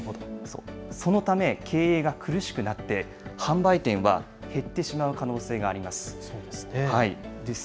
そのため、経営が苦しくなって、販売店は減ってしまう可能性があります。